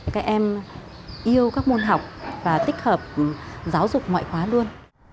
các em yêu các môn học và tích hợp giáo dục ngoại khóa luôn